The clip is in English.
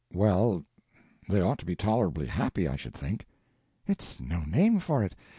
"Well, they ought to be tolerably happy, I should think." "It's no name for it.